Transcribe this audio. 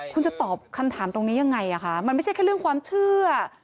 คุณจะตอบคำถามตรงนี้ยังไงคะมันไม่ใช่แค่เรื่องความเชื่อ